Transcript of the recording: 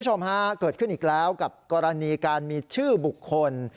คุณผู้ชมฮะเกิดขึ้นอีกแล้วกับกรณีการมีชื่อบุคคล